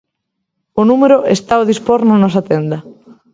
O número está ao dispor na nosa tenda.